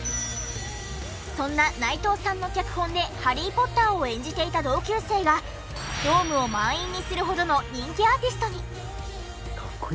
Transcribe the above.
そんな内藤さんの脚本でハリー・ポッターを演じていた同級生がドームを満員にするほどの人気アーティストに。